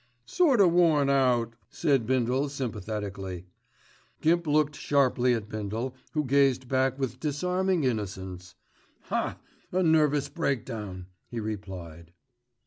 "Sort o' worn out," said Bindle sympathetically. Gimp looked sharply at Bindle, who gazed back with disarming innocence. "Haaa! a nervous breakdown," he replied.